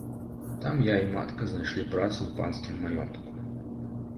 Там я і матка знайшлі працу ў панскім маёнтку.